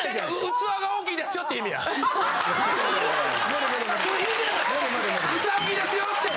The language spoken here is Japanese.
器大きいですよって。